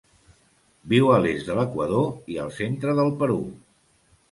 Viu a l'est de l'Equador i el centre del Perú.